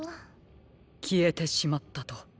きえてしまったと。